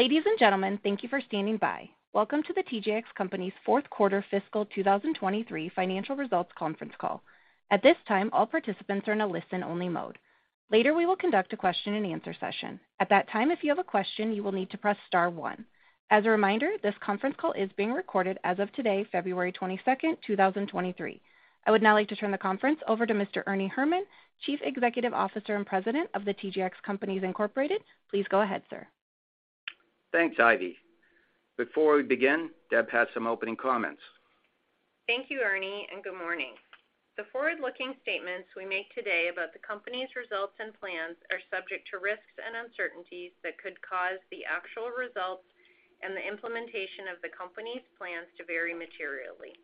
Ladies and gentlemen, thank you for standing by. Welcome to The TJX Company's Fourth Quarter Fiscal 2023 Financial Results Conference Call. At this time, all participants are in a listen-only mode. Later, we will conduct a question-and-answer session. At that time, if you have a question, you will need to press star one. As a reminder, this conference call is being recorded as of today, February 22nd, 2023. I would now like to turn the conference over to Mr. Ernie Herrman, Chief Executive Officer and President of The TJX Companies, Inc. Please go ahead, sir. Thanks, Ivy. Before we begin, Deb has some opening comments. Thank you Ernie, and good morning. The forward-looking statements we make today about the company's results and plans are subject to risks and uncertainties that could cause the actual results and the implementation of the company's plans to vary materially.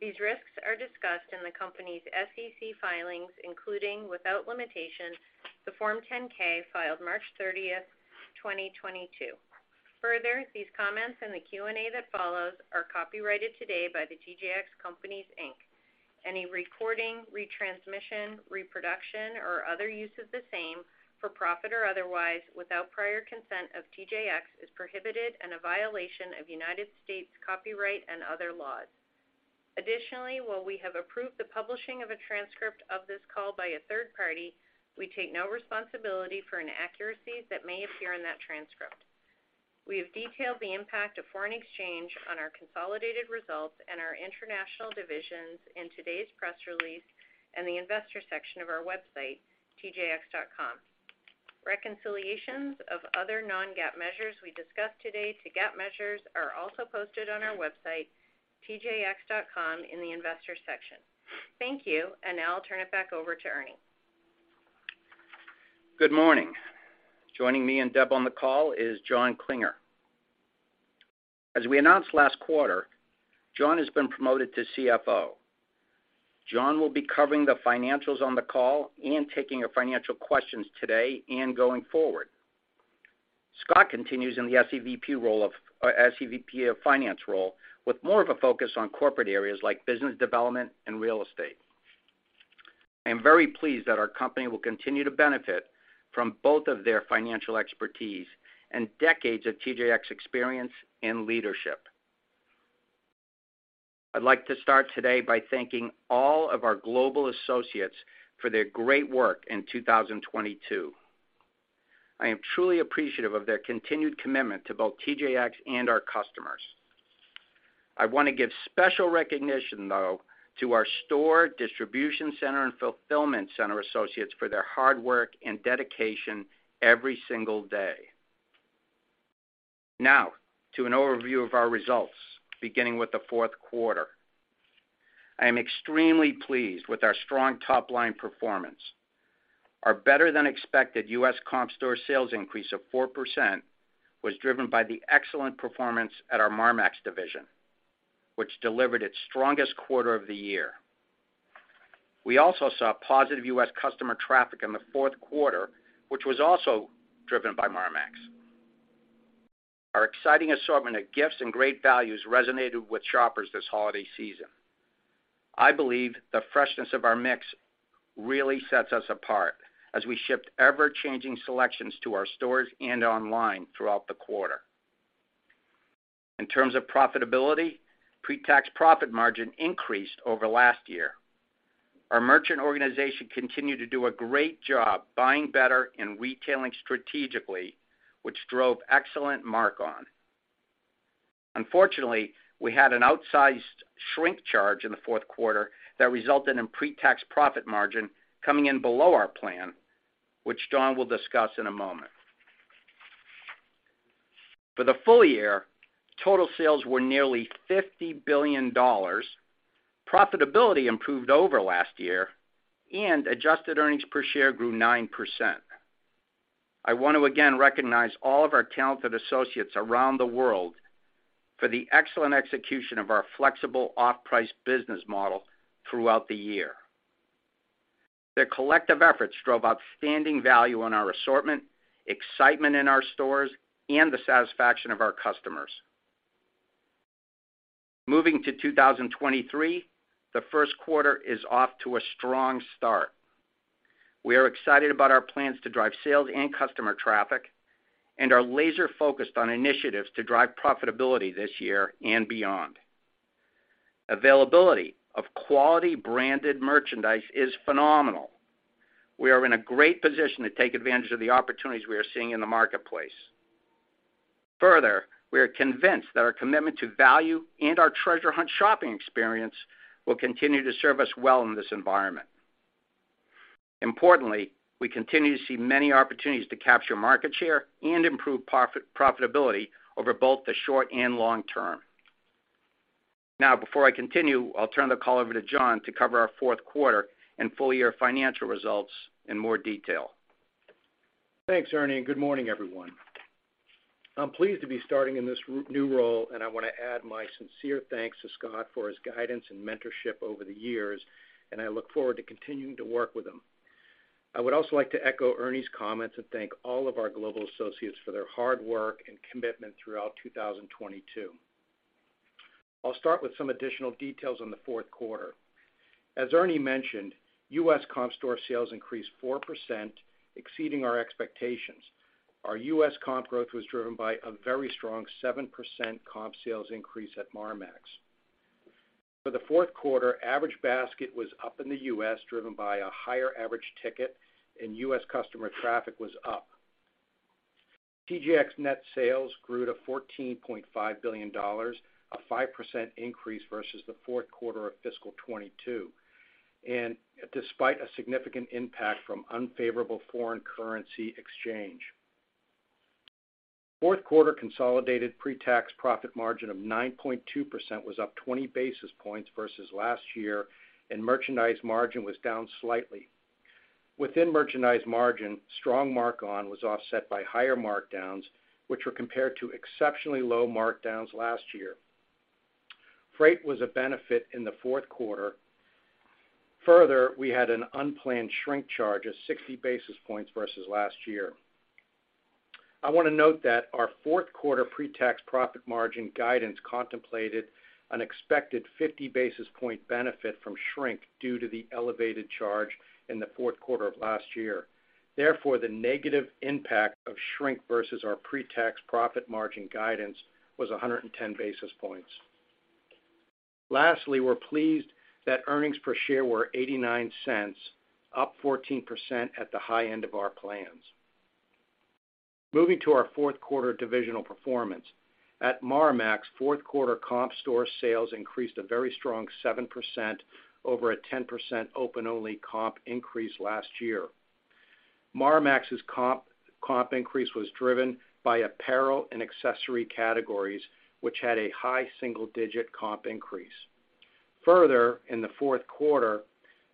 These risks are discussed in the company's SEC filings, including, without limitation, the Form 10-K filed March 30th, 2022. These comments and the Q&A that follows are copyrighted today by The TJX Companies, Inc. Any recording, retransmission, reproduction, or other use of the same, for profit or otherwise, without prior consent of TJX, is prohibited and a violation of United States copyright and other laws. While we have approved the publishing of a transcript of this call by a third party, we take no responsibility for inaccuracies that may appear in that transcript. We have detailed the impact of foreign exchange on our consolidated results and our international divisions in today's press release and the investor section of our website, tjx.com. Reconciliations of other non-GAAP measures we discuss today to GAAP measures are also posted on our website, tjx.com, in the Investor section. Thank you. Now I'll turn it back over to Ernie. Good morning. Joining me and Deb on the call is John Klinger. As we announced last quarter, John has been promoted to CFO. John will be covering the financials on the call and taking your financial questions today and going forward. Scott continues in the SEVP of Finance role, with more of a focus on corporate areas like business development and real estate. I am very pleased that our company will continue to benefit from both of their financial expertise and decades of TJX experience and leadership. I'd like to start today by thanking all of our global associates for their great work in 2022. I am truly appreciative of their continued commitment to both TJX and our customers. I wanna give special recognition, though, to our store, distribution center, and fulfillment center associates for their hard work and dedication every single day. Now to an overview of our results, beginning with the fourth quarter. I am extremely pleased with our strong top-line performance. Our better-than-expected U.S. comp store sales increase of 4% was driven by the excellent performance at our Marmaxx division, which delivered its strongest quarter of the year. We also saw positive U.S. customer traffic in the fourth quarter, which was also driven by Marmaxx. Our exciting assortment of gifts and great values resonated with shoppers this holiday season. I believe the freshness of our mix really sets us apart as we shipped ever-changing selections to our stores and online throughout the quarter. In terms of profitability, pre-tax profit margin increased over last year. Our merchant organization continued to do a great job buying better and retailing strategically, which drove excellent mark-on. Unfortunately, we had an outsized shrink charge in the fourth quarter that resulted in pre-tax profit margin coming in below our plan, which John will discuss in a moment. For the full year, total sales were nearly $50 billion. Profitability improved over last year, and adjusted earnings per share grew 9%. I want to again recognize all of our talented associates around the world for the excellent execution of our flexible off-price business model throughout the year. Their collective efforts drove outstanding value on our assortment, excitement in our stores, and the satisfaction of our customers. Moving to 2023, the first quarter is off to a strong start. We are excited about our plans to drive sales and customer traffic and are laser-focused on initiatives to drive profitability this year and beyond. Availability of quality branded merchandise is phenomenal. We are in a great position to take advantage of the opportunities we are seeing in the marketplace. Further, we are convinced that our commitment to value and our treasure hunt shopping experience will continue to serve us well in this environment. Importantly, we continue to see many opportunities to capture market share and improve profitability over both the short and long term. Now, before I continue, I'll turn the call over to John to cover our fourth quarter and full-year financial results in more detail. Thanks Ernie. Good morning, everyone. I'm pleased to be starting in this new role. I wanna add my sincere thanks to Scott for his guidance and mentorship over the years, and I look forward to continuing to work with him. I would also like to echo Ernie's comments and thank all of our global associates for their hard work and commitment throughout 2022. I'll start with some additional details on the fourth quarter. As Ernie mentioned, U.S. comp store sales increased 4%, exceeding our expectations. Our U.S. comp growth was driven by a very strong 7% comp sales increase at Marmaxx. For the fourth quarter, average basket was up in the U.S., driven by a higher average ticket. U.S. customer traffic was up. TJX net sales grew to $14.5 billion, a 5% increase versus the fourth quarter of fiscal 2022, despite a significant impact from unfavorable foreign currency exchange. Fourth quarter consolidated pre-tax profit margin of 9.2% was up 20 basis points versus last year, merchandise margin was down slightly. Within merchandise margin, strong mark-on was offset by higher markdowns, which were compared to exceptionally low markdowns last year. Freight was a benefit in the fourth quarter. Further, we had an unplanned shrink charge of 60 basis points versus last year. I wanna note that our fourth quarter pre-tax profit margin guidance contemplated an expected 50 basis point benefit from shrink due to the elevated charge in the fourth quarter of last year. Therefore, the negative impact of shrink versus our pre-tax profit margin guidance was 110 basis points. Lastly, we're pleased that earnings per share were $0.89, up 14% at the high end of our plans. Moving to our fourth quarter divisional performance. At Marmaxx, fourth quarter comp store sales increased a very strong 7% over a 10% open-only comp increase last year. Marmaxx's comp increase was driven by apparel and accessory categories, which had a high single-digit comp increase. In the fourth quarter,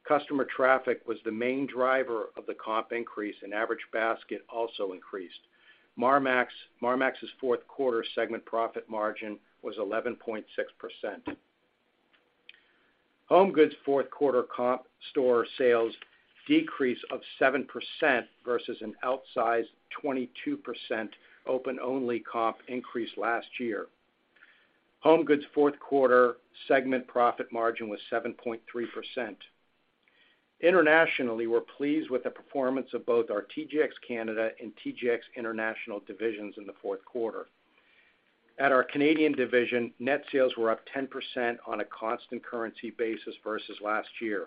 customer traffic was the main driver of the comp increase, and average basket also increased. Marmaxx's fourth quarter segment profit margin was 11.6%. HomeGoods' fourth quarter comp store sales decrease of 7% versus an outsized 22% open-only comp increase last year. HomeGoods' fourth quarter segment profit margin was 7.3%. Internationally, we're pleased with the performance of both our TJX Canada and TJX International divisions in the fourth quarter. At our Canadian division, net sales were up 10% on a constant currency basis versus last year.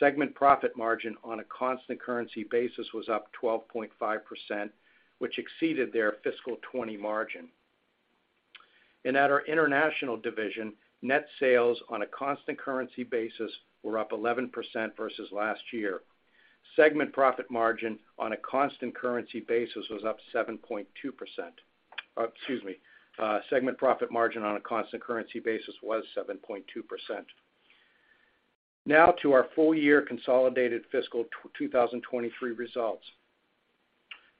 Segment profit margin on a constant currency basis was up 12.5%, which exceeded their fiscal 20 margin. At our international division, net sales on a constant currency basis were up 11% versus last year. Segment profit margin on a constant currency basis was up 7.2%. Excuse me, segment profit margin on a constant currency basis was 7.2%. To our full year consolidated fiscal 2023 results.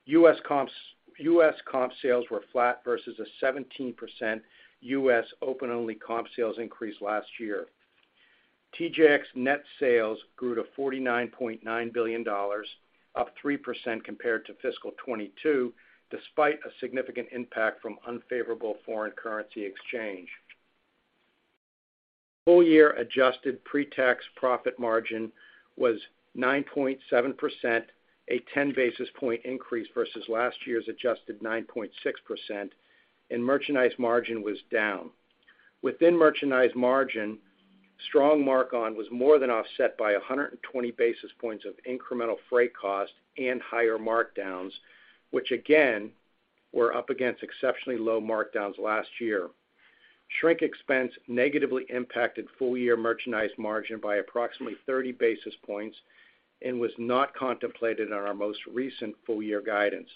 U.S. comps, U.S. comp sales were flat versus a 17% U.S. open-only comp sales increase last year. TJX net sales grew to $49.9 billion, up 3% compared to fiscal 22, despite a significant impact from unfavorable foreign currency exchange. Full year adjusted pre-tax profit margin was 9.7%, a 10 basis point increase versus last year's adjusted 9.6%, and merchandise margin was down. Within merchandise margin, strong mark-on was more than offset by 120 basis points of incremental freight cost and higher markdowns, which again, were up against exceptionally low markdowns last year. Shrink expense negatively impacted full-year merchandise margin by approximately 30 basis points and was not contemplated in our most recent full year guidance.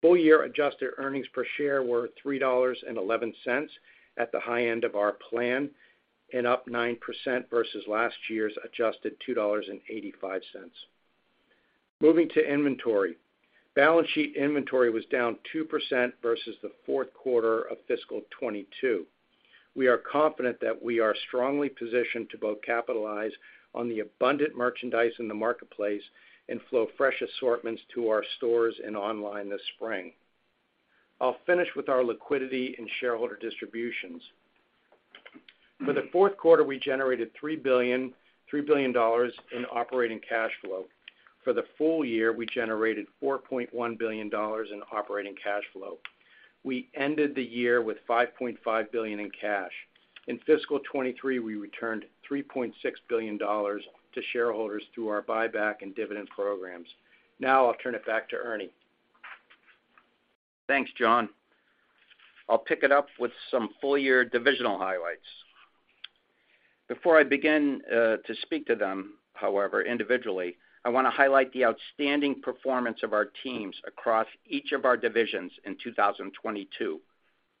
Full year adjusted earnings per share were $3.11 at the high end of our plan and up 9% versus last year's adjusted $2.85. Moving to inventory. Balance sheet inventory was down 2% versus the fourth quarter of fiscal 2022. We are confident that we are strongly positioned to both capitalize on the abundant merchandise in the marketplace and flow fresh assortments to our stores and online this spring. I'll finish with our liquidity and shareholder distributions. For the fourth quarter, we generated $3 billion in operating cash flow. For the full year, we generated $4.1 billion in operating cash flow. We ended the year with $5.5 billion in cash. In fiscal 2023, we returned $3.6 billion to shareholders through our buyback and dividend programs. I'll turn it back to Ernie. Thanks John. I'll pick it up with some full year divisional highlights. Before I begin to speak to them, however, individually, I wanna highlight the outstanding performance of our teams across each of our divisions in 2022,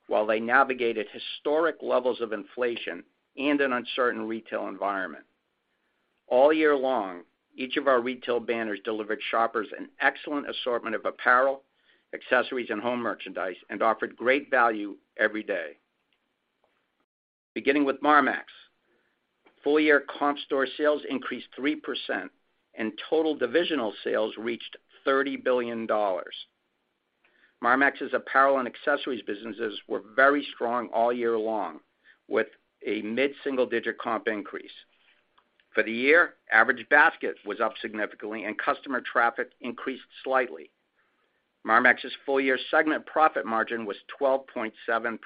while they navigated historic levels of inflation and an uncertain retail environment. All year long, each of our retail banners delivered shoppers an excellent assortment of apparel, accessories, and home merchandise and offered great value every day. Beginning with Marmaxx. Full year comp store sales increased 3% and total divisional sales reached $30 billion. Marmaxx's apparel and accessories businesses were very strong all year long, with a mid-single digit comp increase. For the year, average basket was up significantly and customer traffic increased slightly. Marmaxx's full year segment profit margin was 12.7%.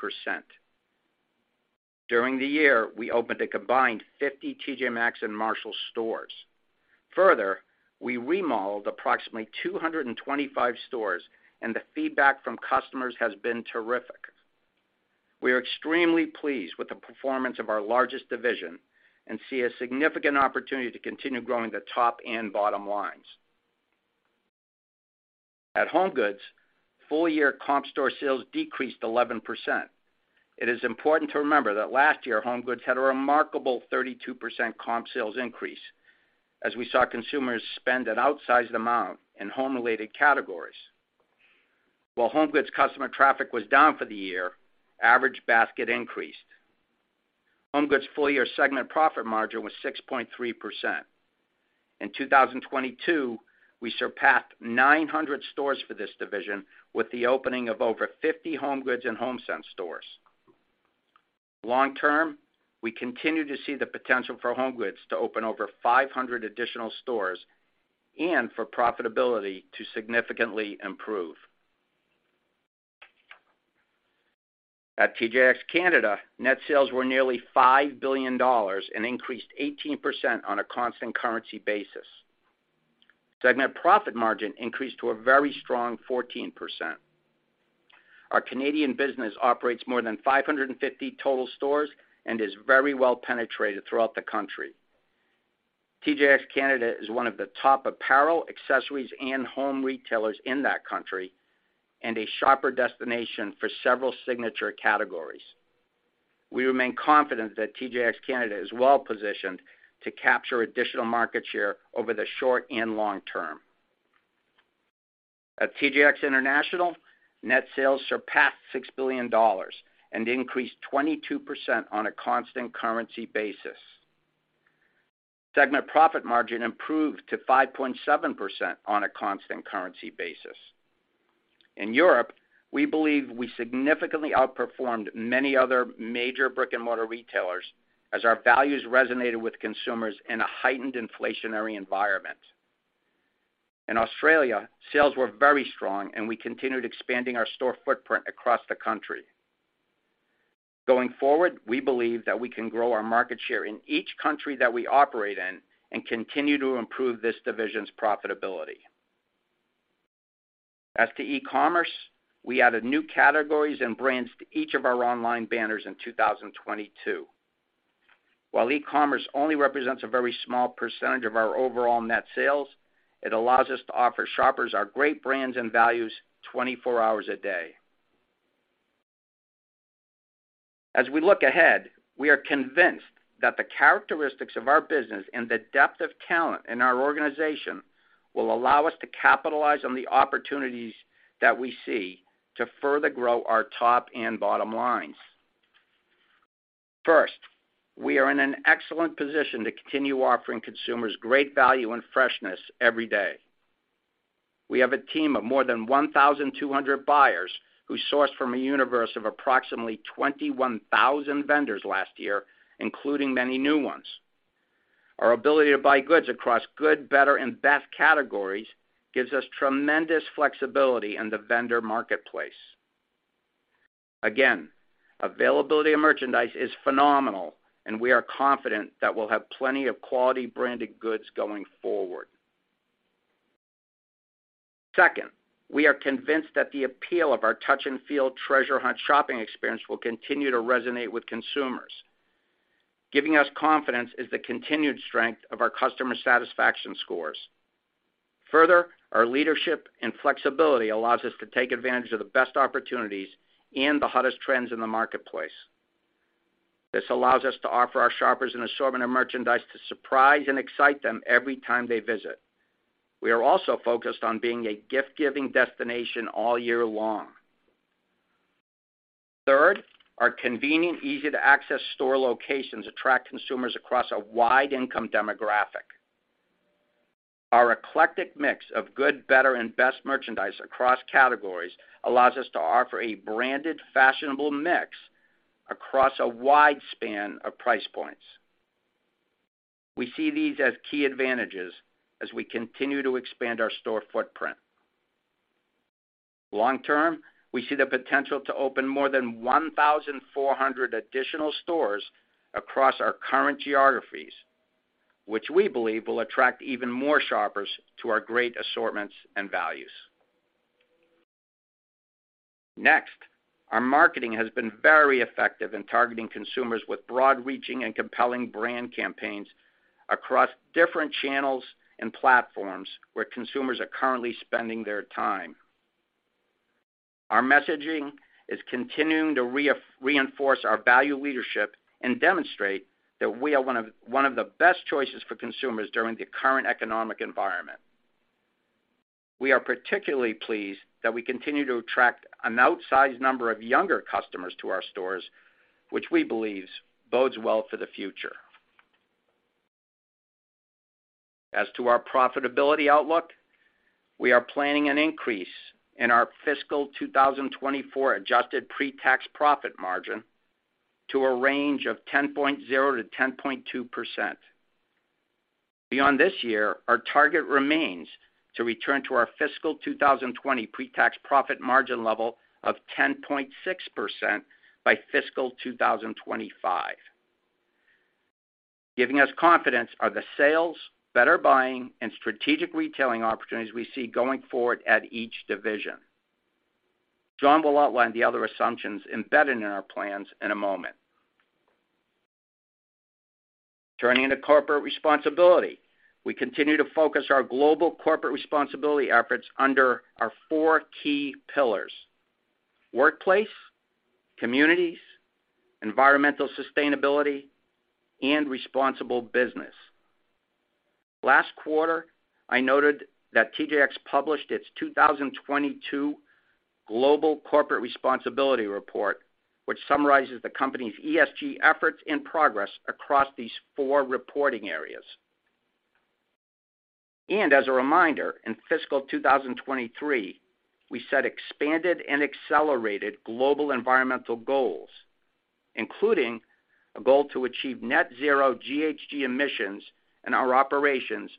During the year, we opened a combined 50 T.J. Maxx and Marshalls stores. We remodeled approximately 225 stores, and the feedback from customers has been terrific. We are extremely pleased with the performance of our largest division and see a significant opportunity to continue growing the top and bottom lines. At HomeGoods, full year comp store sales decreased 11%. It is important to remember that last year, HomeGoods had a remarkable 32% comp sales increase as we saw consumers spend an outsized amount in home-related categories. While HomeGoods customer traffic was down for the year, average basket increased. HomeGoods' full year segment profit margin was 6.3%. In 2022, we surpassed 900 stores for this division with the opening of over 50 HomeGoods and HomeSense stores. Long term, we continue to see the potential for HomeGoods to open over 500 additional stores and for profitability to significantly improve. At TJX Canada, net sales were nearly 5 billion dollars and increased 18% on a constant currency basis. Segment profit margin increased to a very strong 14%. Our Canadian business operates more than 550 total stores and is very well penetrated throughout the country. TJX Canada is one of the top apparel, accessories, and home retailers in that country, and a shopper destination for several signature categories. We remain confident that TJX Canada is well-positioned to capture additional market share over the short and long term. At TJX International, net sales surpassed $6 billion and increased 22% on a constant currency basis. Segment profit margin improved to 5.7% on a constant currency basis. In Europe, we believe we significantly outperformed many other major brick-and-mortar retailers as our values resonated with consumers in a heightened inflationary environment. In Australia, sales were very strong and we continued expanding our store footprint across the country. Going forward, we believe that we can grow our market share in each country that we operate in and continue to improve this division's profitability. As to e-commerce, we added new categories and brands to each of our online banners in 2022. While e-commerce only represents a very small percentage of our overall net sales, it allows us to offer shoppers our great brands and values 24 hours a day. As we look ahead, we are convinced that the characteristics of our business and the depth of talent in our organization will allow us to capitalize on the opportunities that we see to further grow our top and bottom lines. First, we are in an excellent position to continue offering consumers great value and freshness every day. We have a team of more than 1,200 buyers who source from a universe of approximately 21,000 vendors last year, including many new ones. Our ability to buy goods across good, better, and best categories gives us tremendous flexibility in the vendor marketplace. Again, availability of merchandise is phenomenal, and we'll have plenty of quality branded goods going forward. Second, we are convinced that the appeal of our touch and feel treasure hunt shopping experience will continue to resonate with consumers. Giving us confidence is the continued strength of our customer satisfaction scores. Further, our leadership and flexibility allows us to take advantage of the best opportunities and the hottest trends in the marketplace. This allows us to offer our shoppers an assortment of merchandise to surprise and excite them every time they visit. We are also focused on being a gift-giving destination all year long. Third, our convenient, easy-to-access store locations attract consumers across a wide income demographic. Our eclectic mix of good, better, and best merchandise across categories allows us to offer a branded, fashionable mix across a wide span of price points. We see these as key advantages as we continue to expand our store footprint. Long term, we see the potential to open more than 1,400 additional stores across our current geographies, which we believe will attract even more shoppers to our great assortments and values. Next, our marketing has been very effective in targeting consumers with broad reaching and compelling brand campaigns across different channels and platforms where consumers are currently spending their time. Our messaging is continuing to reinforce our value leadership and demonstrate that we are one of the best choices for consumers during the current economic environment. We are particularly pleased that we continue to attract an outsized number of younger customers to our stores, which we believe bodes well for the future. As to our profitability outlook, we are planning an increase in our fiscal 2024 adjusted pre-tax profit margin to a range of 10.0%-10.2%. Beyond this year, our target remains to return to our fiscal 2020 pre-tax profit margin level of 10.6% by fiscal 2025. Giving us confidence are the sales, better buying, and strategic retailing opportunities we see going forward at each division. John will outline the other assumptions embedded in our plans in a moment. Turning to corporate responsibility. We continue to focus our global corporate responsibility efforts under our four key pillars: workplace, communities, environmental sustainability, and responsible business. Last quarter, I noted that TJX published its 2022 Global Corporate Responsibility Report, which summarizes the company's ESG efforts and progress across these four reporting areas. As a reminder, in fiscal 2023, we set expanded and accelerated global environmental goals, including a goal to achieve net zero GHG emissions in our operations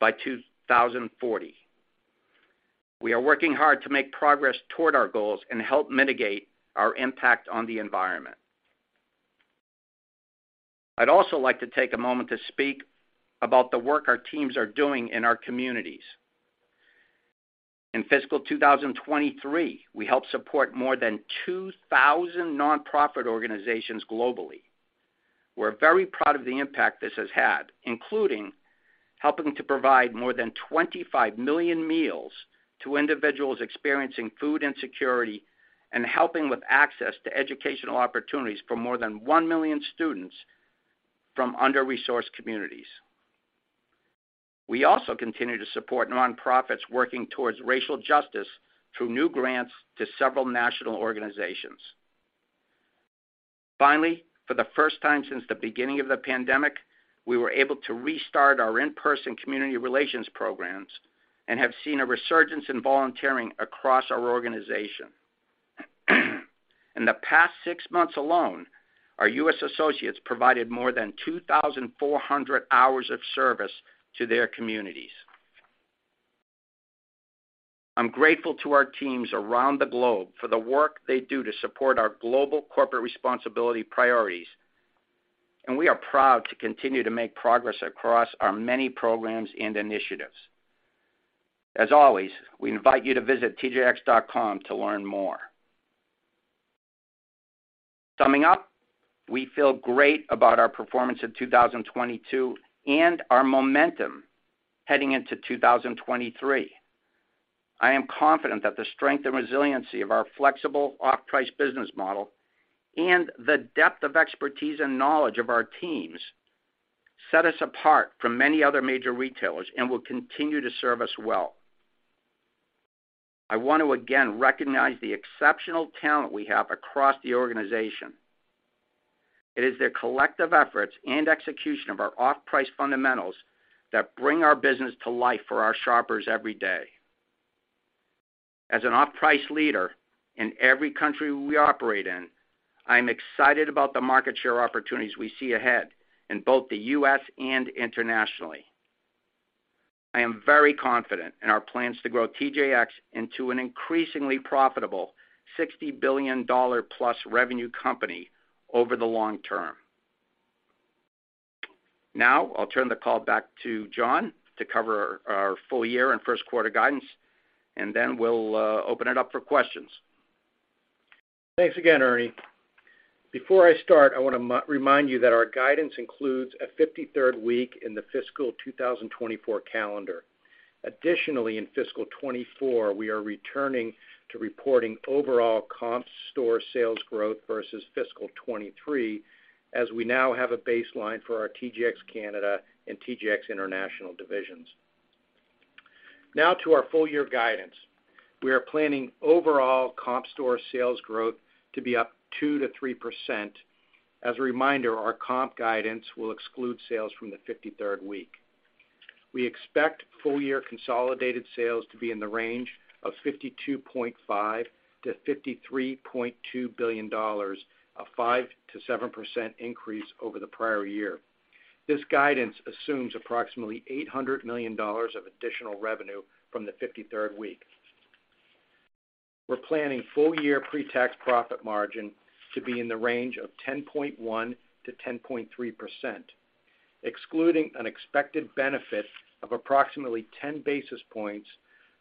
by 2040. We are working hard to make progress toward our goals and help mitigate our impact on the environment. I'd also like to take a moment to speak about the work our teams are doing in our communities. In fiscal 2023, we helped support more than 2,000 nonprofit organizations globally. We're very proud of the impact this has had, including helping to provide more than 25 million meals to individuals experiencing food insecurity and helping with access to educational opportunities for more than one million students from under-resourced communities. We also continue to support nonprofits working towards racial justice through new grants to several national organizations. Finally, for the first time since the beginning of the pandemic, we were able to restart our in-person community relations programs and have seen a resurgence in volunteering across our organization. In the past six months alone, our U.S. associates provided more than 2,400 hours of service to their communities. I'm grateful to our teams around the globe for the work they do to support our global corporate responsibility priorities, and we are proud to continue to make progress across our many programs and initiatives. As always, we invite you to visit tjx.com to learn more. Summing up, we feel great about our performance in 2022 and our momentum heading into 2023. I am confident that the strength and resiliency of our flexible off-price business model and the depth of expertise and knowledge of our teams set us apart from many other major retailers and will continue to serve us well. I want to again recognize the exceptional talent we have across the organization. It is their collective efforts and execution of our off-price fundamentals that bring our business to life for our shoppers every day. As an off-price leader in every country we operate in, I am excited about the market share opportunities we see ahead in both the U.S. and internationally. I am very confident in our plans to grow TJX into an increasingly profitable $60 billion-plus revenue company over the long term. I'll turn the call back to John to cover our full year and first quarter guidance, then we'll open it up for questions. Thanks again Ernie. Before I start, I wanna remind you that our guidance includes a 53rd week in the fiscal 2024 calendar. In fiscal 2024, we are returning to reporting overall comp store sales growth versus fiscal 2023, as we now have a baseline for our TJX Canada and TJX International divisions. To our full year guidance. We are planning overall comp store sales growth to be up 2%-3%. As a reminder, our comp guidance will exclude sales from the 53rd week. We expect full year consolidated sales to be in the range of $52.5 billion-$53.2 billion, a 5%-7% increase over the prior year. This guidance assumes approximately $800 million of additional revenue from the 53rd week. We're planning full-year pre-tax profit margin to be in the range of 10.1%-10.3%. Excluding an expected benefit of approximately 10 basis points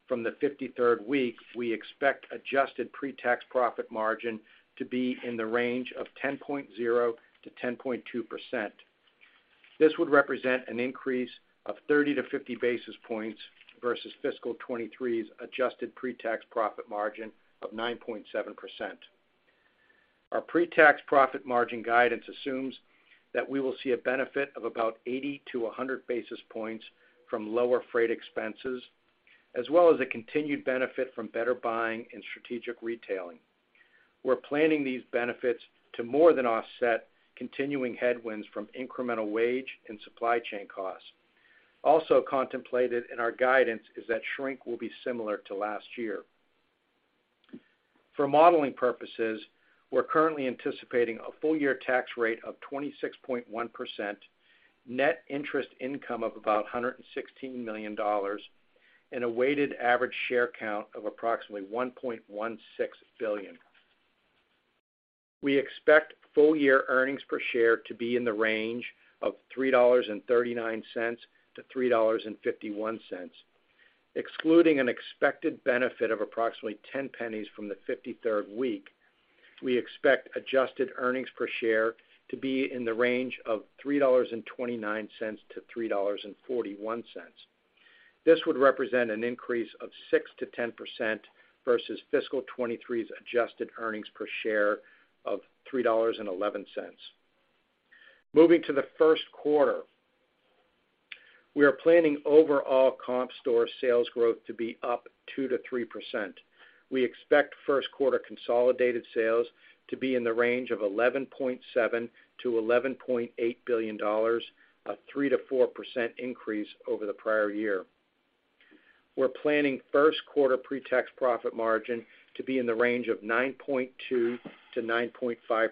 from the 53rd week, we expect adjusted pre-tax profit margin to be in the range of 10.0%-10.2%. This would represent an increase of 30-50 basis points versus fiscal 2023's adjusted pre-tax profit margin of 9.7%. Our pre-tax profit margin guidance assumes that we will see a benefit of about 80-100 basis points from lower freight expenses, as well as a continued benefit from better buying and strategic retailing. We're planning these benefits to more than offset continuing headwinds from incremental wage and supply chain costs. Also contemplated in our guidance is that shrink will be similar to last year. For modeling purposes, we're currently anticipating a full year tax rate of 26.1%, net interest income of about $116 million and a weighted average share count of approximately $1.16 billion. We expect full year earnings per share to be in the range of $3.39-$3.51. Excluding an expected benefit of approximately $0.10 from the 53rd week, we expect adjusted earnings per share to be in the range of $3.29-$3.41. This would represent an increase of 6%-10% versus fiscal 2023's adjusted earnings per share of $3.11. Moving to the first quarter. We are planning overall comp store sales growth to be up 2%-3%. We expect first quarter consolidated sales to be in the range of $11.7 billion-$11.8 billion, a 3%-4% increase over the prior year. We're planning first quarter pre-tax profit margin to be in the range of 9.2%-9.5%.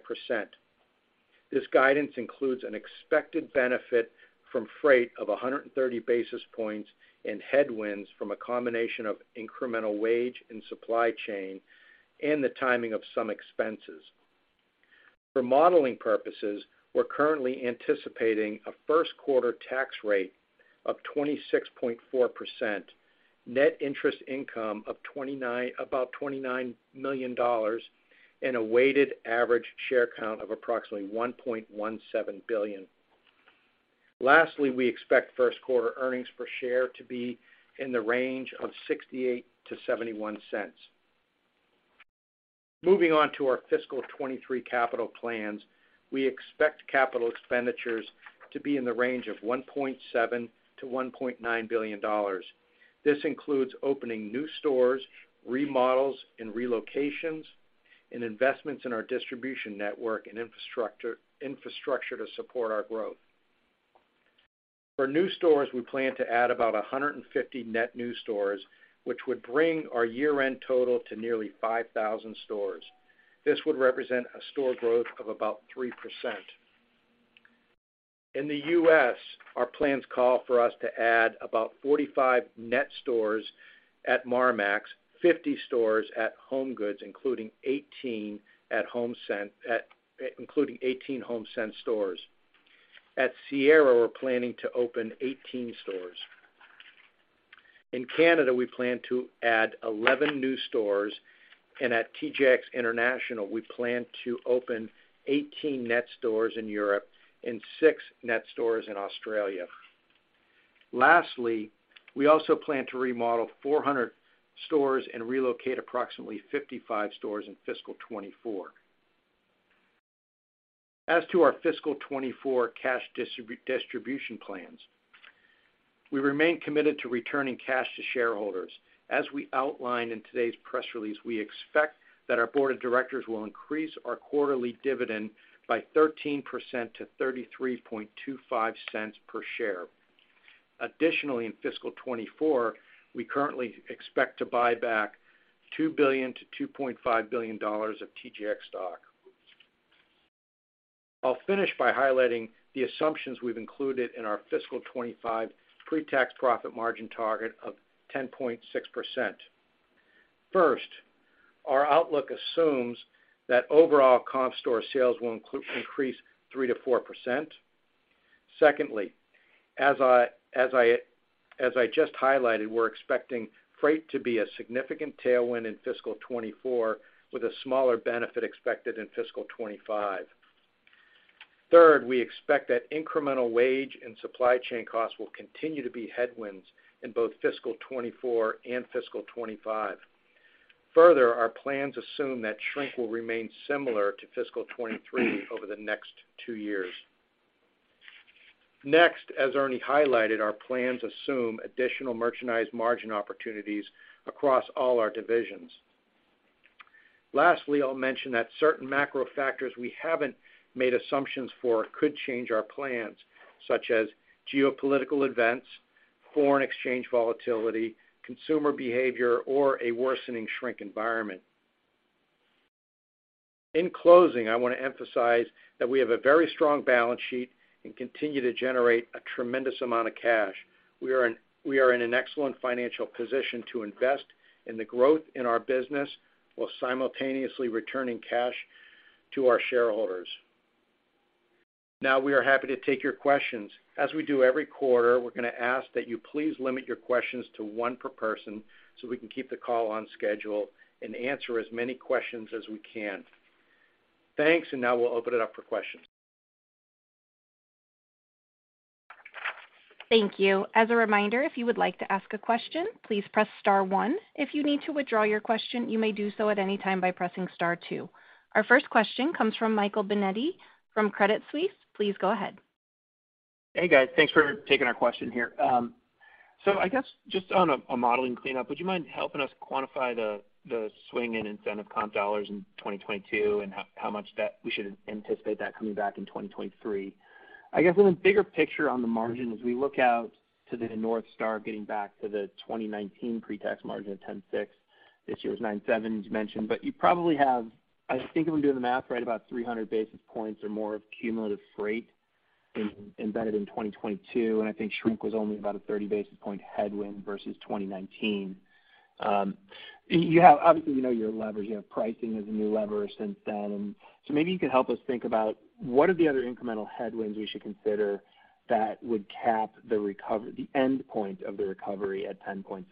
This guidance includes an expected benefit from freight of 130 basis points and headwinds from a combination of incremental wage and supply chain and the timing of some expenses. For modeling purposes, we're currently anticipating a first quarter tax rate of 26.4%, net interest income of about $29 million and a weighted average share count of approximately 1.17 billion. Lastly, we expect first quarter earnings per share to be in the range of $0.68-$0.71. Moving on to our fiscal 2023 capital plans. We expect capital expenditures to be in the range of $1.7 billion-$1.9 billion. This includes opening new stores, remodels and relocations and investments in our distribution network and infrastructure to support our growth. For new stores, we plan to add about 150 net new stores, which would bring our year-end total to nearly 5,000 stores. This would represent a store growth of about 3%. In the U.S., our plans call for us to add about 45 net stores at Marmaxx, 50 stores at HomeGoods, including 18 HomeSense stores. At Sierra, we're planning to open 18 stores. In Canada, we plan to add 11 new stores, and at TJX International, we plan to open 18 net stores in Europe and 6 net stores in Australia. Lastly, we also plan to remodel 400 stores and relocate approximately 55 stores in fiscal 2024. As to our fiscal 2024 cash distribution plans, we remain committed to returning cash to shareholders. As we outlined in today's press release, we expect that our board of directors will increase our quarterly dividend by 13% to $0.3325 per share. Additionally, in fiscal 2024, we currently expect to buy back $2 billion-$2.5 billion of TJX stock. I'll finish by highlighting the assumptions we've included in our fiscal 2025 pre-tax profit margin target of 10.6%. First, our outlook assumes that overall comp store sales will increase 3%-4%. Secondly, as I just highlighted, we're expecting freight to be a significant tailwind in fiscal 2024 with a smaller benefit expected in fiscal 2025. We expect that incremental wage and supply chain costs will continue to be headwinds in both fiscal 2024 and fiscal 2025. Our plans assume that shrink will remain similar to fiscal 2023 over the next two years. As Ernie highlighted, our plans assume additional merchandise margin opportunities across all our divisions. I'll mention that certain macro factors we haven't made assumptions for could change our plans, such as geopolitical events, foreign exchange volatility, consumer behavior, or a worsening shrink environment. I wanna emphasize that we have a very strong balance sheet and continue to generate a tremendous amount of cash. We are in an excellent financial position to invest in the growth in our business while simultaneously returning cash to our shareholders. We are happy to take your questions. As we do every quarter, we're gonna ask that you please limit your questions to one per person, so we can keep the call on schedule and answer as many questions as we can. Thanks, now we'll open it up for questions. Thank you. As a reminder, if you would like to ask a question, please press star one. If you need to withdraw your question, you may do so at any time by pressing star two. Our first question comes from Michael Binetti from Credit Suisse. Please go ahead. Hey, guys. Thanks for taking our question here. I guess just on a modeling cleanup, would you mind helping us quantify the swing in incentive comp dollars in 2022 and how much that we should anticipate that coming back in 2023? I guess in the bigger picture on the margin, as we look out to the North Star getting back to the 2019 pre-tax profit margin of 10.6%, this year's 9.7%, as you mentioned. You probably have, I think if I'm doing the math right, about 300 basis points or more of cumulative freight in-embedded in 2022, and I think shrink was only about a 30 basis point headwind versus 2019. You have, obviously, you know your leverage, you have pricing as a new lever since then. Maybe you can help us think about what are the other incremental headwinds we should consider that would cap the end point of the recovery at 10.6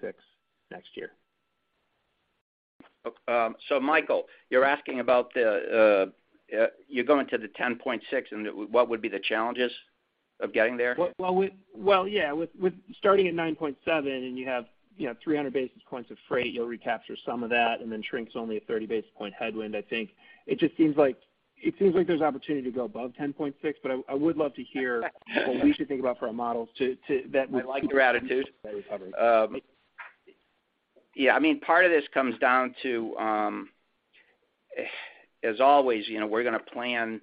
next year? Michael, you're asking about the, you're going to the 10.6 and what would be the challenges of getting there? Well, yeah, with starting at 9.7, and you have, you know, 300 basis points of freight, you'll recapture some of that, and then shrink's only a 30 basis point headwind, I think. It just seems like there's opportunity to go above 10.6, but I would love to hear what we should think about for our models to that would. I like your attitude. That recovery. Yeah, I mean, part of this comes down to, as always, you know, we're gonna plan,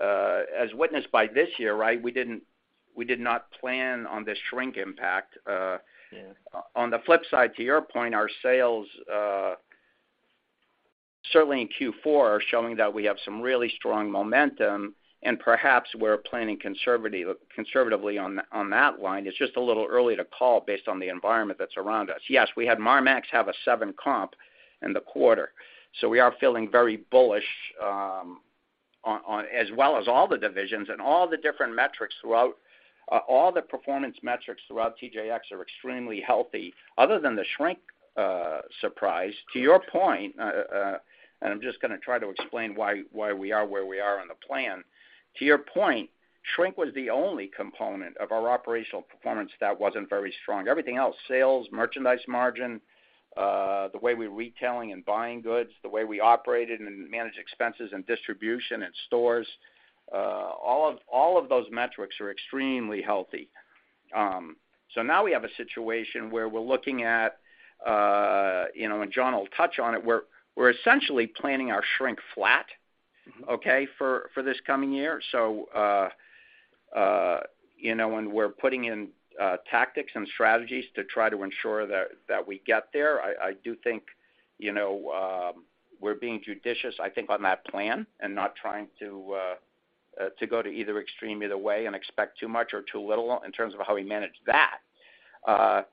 as witnessed by this year, right? We did not plan on the shrink impact. Yeah. On the flip side, to your point, our sales, certainly in Q4, are showing that we have some really strong momentum and perhaps we're planning conservatively on that line. It's just a little early to call based on the environment that's around us. Yes, we had Marmaxx have a seven comp in the quarter. We are feeling very bullish on as well as all the divisions and all the different metrics throughout all the performance metrics throughout TJX are extremely healthy. Other than the shrink surprise, to your point, and I'm just gonna try to explain why we are where we are on the plan. To your point, shrink was the only component of our operational performance that wasn't very strong. Everything else, sales, merchandise margin, the way we're retailing and buying goods, the way we operated and managed expenses and distribution at stores, all of those metrics are extremely healthy. Now we have a situation where we're looking at, you know, and John will touch on it, we're essentially planning our shrink flat, okay? For this coming year. You know, when we're putting in tactics and strategies to try to ensure that we get there, I do think, you know, we're being judicious, I think, on that plan and not trying to go to either extreme either way and expect too much or too little in terms of how we manage that. How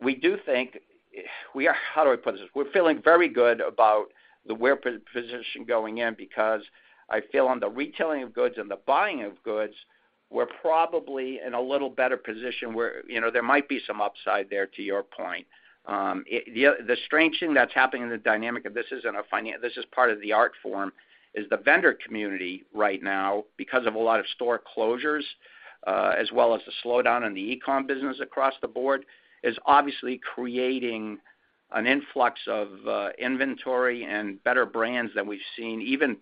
do I put this? We're feeling very good about the way we're positioned going in because I feel on the retailing of goods and the buying of goods, we're probably in a little better position where, you know, there might be some upside there to your point. The, the strange thing that's happening in the dynamic of this is this is part of the art form, is the vendor community right now, because of a lot of store closures, as well as the slowdown in the e-com business across the board, is obviously creating an influx of inventory and better brands than we've seen even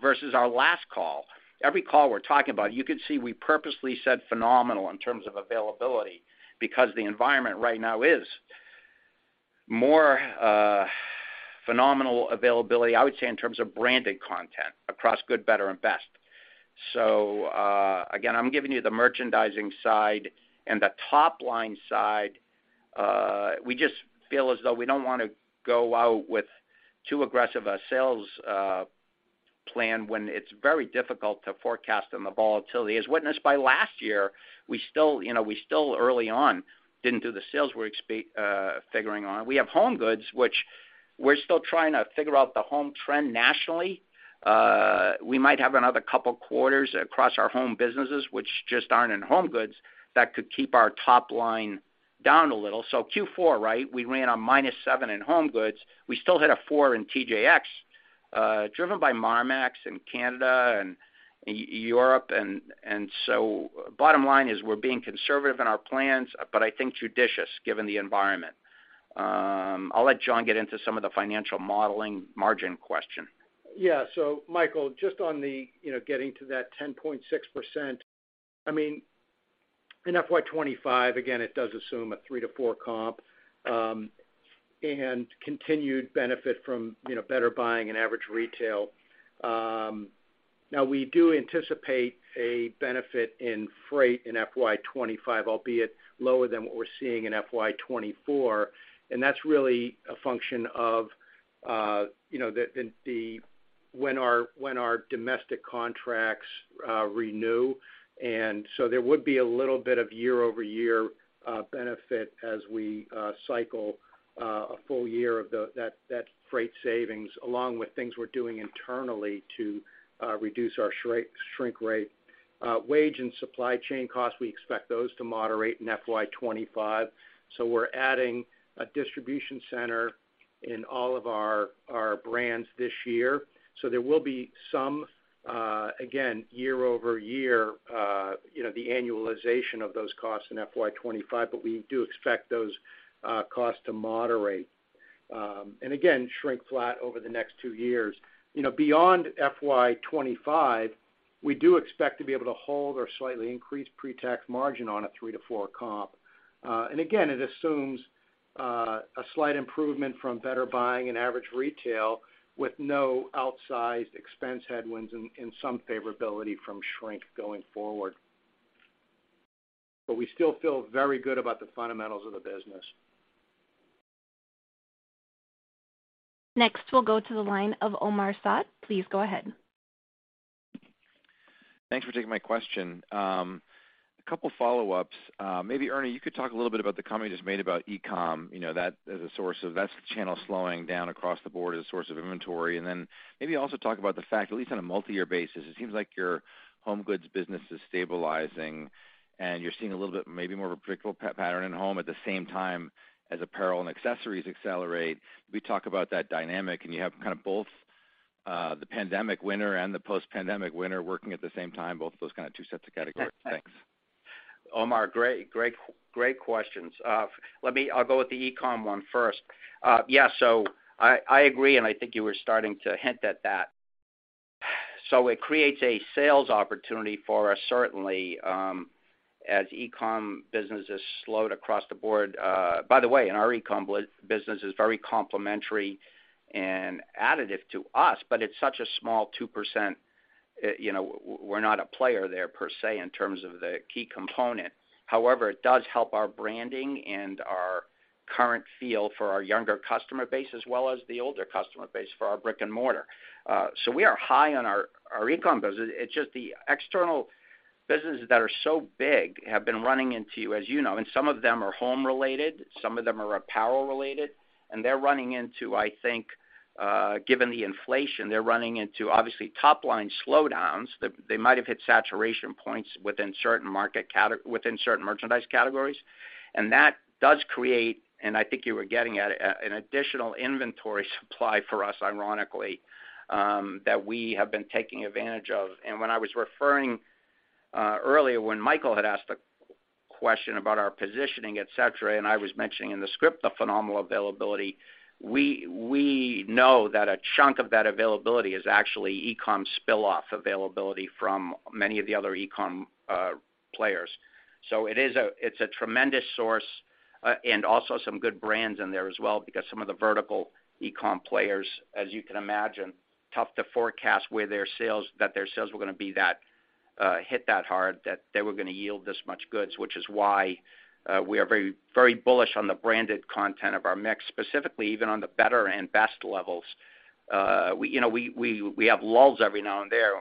versus our last call. Every call we're talking about, you could see we purposely said phenomenal in terms of availability because the environment right now is more phenomenal availability, I would say, in terms of branded content across good, better, and best. Again, I'm giving you the merchandising side and the top line side. We just feel as though we don't wanna go out with too aggressive a sales plan when it's very difficult to forecast and the volatility. As witnessed by last year, we still, you know, we still early on didn't do the sales we're figuring on. We have HomeGoods, which we're still trying to figure out the home trend nationally. We might have another couple quarters across our home businesses, which just aren't in HomeGoods, that could keep our top line down a little. Q4, right, we ran a -7% in HomeGoods. We still hit a 4% in TJX, driven by Marmaxx and Canada and Europe. Bottom line is we're being conservative in our plans, but I think judicious given the environment. I'll let John get into some of the financial modeling margin question. Yeah. Michael, just on the, you know, getting to that 10.6%, I mean, in FY 2025, again, it does assume a three to four comp, and continued benefit from, you know, better buying and average retail. Now we do anticipate a benefit in freight in FY 2025, albeit lower than what we're seeing in FY 2024, and that's really a function of, you know, the when our domestic contracts renew. There would be a little bit of year-over-year benefit as we cycle a full year of that freight savings, along with things we're doing internally to reduce our shrink rate. Wage and supply chain costs, we expect those to moderate in FY 2025. We're adding a distribution center In all of our brands this year. There will be some, again, year-over-year, you know, the annualization of those costs in FY 2025, but we do expect those costs to moderate, and again, shrink flat over the next two years. You know, beyond FY 2025, we do expect to be able to hold or slightly increase pre-tax margin on a three to four comp. Again, it assumes a slight improvement from better buying and average retail with no outsized expense headwinds and some favorability from shrink going forward. We still feel very good about the fundamentals of the business. Next, we'll go to the line of Omar Saad. Please go ahead. Thanks for taking my question. A couple follow-ups. Maybe, Ernie, you could talk a little bit about the comment you just made about e-com, you know. That's the channel slowing down across the board as a source of inventory. Maybe also talk about the fact, at least on a multi-year basis, it seems like your home goods business is stabilizing, and you're seeing a little bit, maybe more of a predictable pattern at home at the same time as apparel and accessories accelerate. We talk about that dynamic, you have kind of both, the pandemic winner and the post-pandemic winner working at the same time, both of those kind of two sets of categories. Thanks. Omar, great, great questions. I'll go with the e-com one first. Yeah, I agree, and I think you were starting to hint at that. It creates a sales opportunity for us certainly, as e-com business has slowed across the board. By the way, and our e-com business is very complementary and additive to us, but it's such a small 2%. You know, we're not a player there per se, in terms of the key component. However, it does help our branding and our current feel for our younger customer base, as well as the older customer base for our brick and mortar. We are high on our e-com business. It's just the external businesses that are so big have been running into, as you know, some of them are home related, some of them are apparel related, and they're running into, I think, given the inflation, they're running into obviously top-line slowdowns. They might have hit saturation points within certain merchandise categories. That does create, and I think you were getting at it, an additional inventory supply for us, ironically, that we have been taking advantage of. When I was referring earlier when Michael had asked a question about our positioning, et cetera, and I was mentioning in the script the phenomenal availability, we know that a chunk of that availability is actually e-com spill off availability from many of the other e-com players. It's a tremendous source, and also some good brands in there as well, because some of the vertical e-com players, as you can imagine, tough to forecast that their sales were gonna be that hit that hard, that they were gonna yield this much goods, which is why we are very, very bullish on the branded content of our mix, specifically even on the better and best levels. We, you know, we have lulls every now and there.